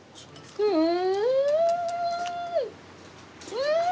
うん！